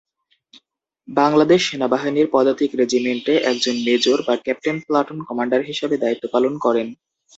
বাংলাদেশ সেনাবাহিনীর পদাতিক রেজিমেন্টে একজন মেজর বা ক্যাপ্টেন প্লাটুন কমান্ডার হিসাবে দায়িত্ব পালন করেন।